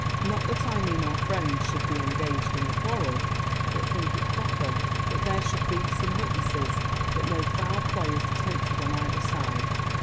Not that I mean our friends should be engaged in the quarrel; but think it proper that there should be some witnesses that no foul play is attempted on either side.